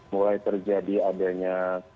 mulai terjadi adanya